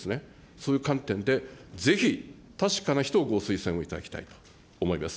そういう観点で、ぜひ確かな人をご推薦をいただきたいと思います。